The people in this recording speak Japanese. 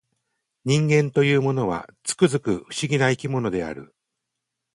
人間というものは、つくづく不思議な生き物である